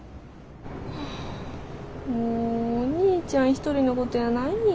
はあもうお兄ちゃん一人のことやないんやから。